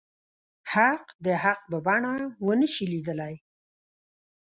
حق د حق په بڼه ونه شي ليدلی.